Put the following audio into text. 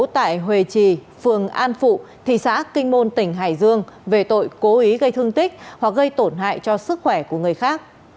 tại huệ trì phường an phụ thị xã kinh môn tỉnh hải dương về tội cố ý gây thương tích hoặc gây tổn hại cho sức khỏe của người khác